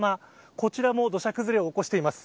こちらも土砂崩れを起こしています。